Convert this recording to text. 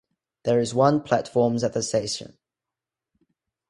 There is one platforms at the station.